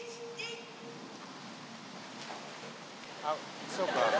あっそうか。